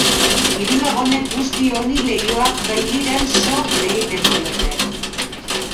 Hiru lagunek guzti honi leihoak bailiran so egiten diote.